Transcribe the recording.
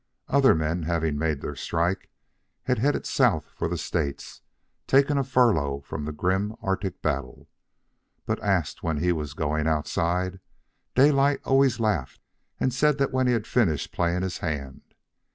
Other men, having made their strike, had headed south for the States, taking a furlough from the grim Arctic battle. But, asked when he was going Outside, Daylight always laughed and said when he had finished playing his hand.